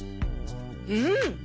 うん。